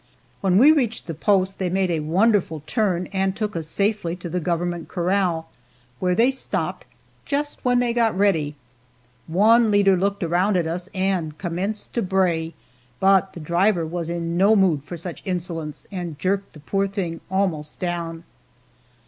When we reached the post they made a wonderful turn and took us safely to the government corral, where they stopped, just when they got ready. One leader looked around at us and commenced to bray, but the driver was in no mood for such insolence, and jerked the poor thing almost down.